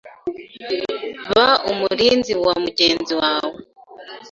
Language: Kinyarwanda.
Ba umurinzi wa mugenzi wawe.